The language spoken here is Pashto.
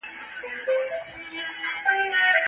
ولې په ادارو کې رشوت اخیستل کیږي؟